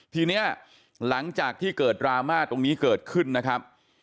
ทีนี้หลังจากที่เกิดดราม่าตรงนี้เกิดขึ้นนะครับ